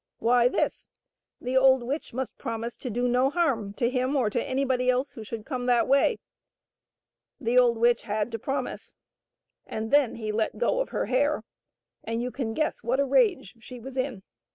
Why, this ! The old witch must promise to do no harm to him or to anybody else who should come that way. The old witch had to promise. And then he let go of her hair, and you can guess what a rage she was in.